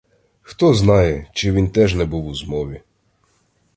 Хто знає, чи він теж не був у змові.